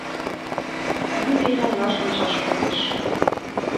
Ынде йоҥгаш ончаш возеш».